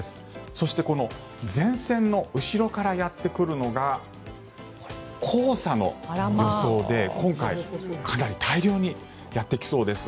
そして、この前線の後ろからやってくるのが黄砂の予想で今回、かなり大量にやってきそうです。